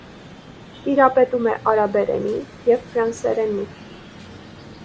Տիրապետում է արաբերենի և ֆրանսերենի։